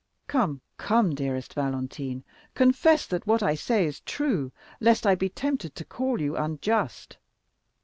Come, come, dearest Valentine, confess that what I say is true, lest I be tempted to call you unjust."